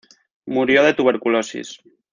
Murió de tuberculosis.